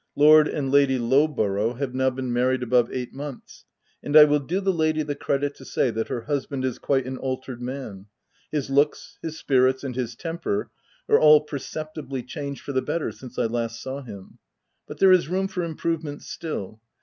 Lord and Lady Lowborough have now been married above eight months ; and I will do the lady the credit to say that her husband is quite an altered man : his looks, his spirits, and his temper are all perceptibly changed for the better since I last saw him. But there is room for improvement still.